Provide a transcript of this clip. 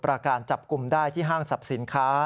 ประการจับกลุ่มได้ที่ห้างสรรพสินค้า